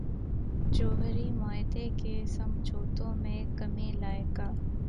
جوہری معاہدے کے سمجھوتوں میں کمی لائے گا۔